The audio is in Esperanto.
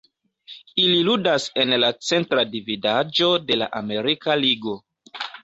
Ili ludas en la Centra Dividaĵo de la Amerika Ligo.